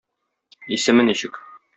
Исеме ничек?